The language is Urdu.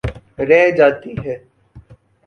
رہ جاتی ہے۔